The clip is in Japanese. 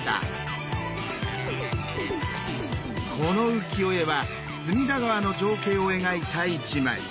この浮世絵は隅田川の情景を描いた一枚。